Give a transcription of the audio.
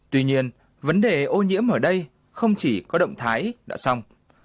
tuy nhiên vấn đề ô nhiễm ở đây không chỉ có động thái đã xong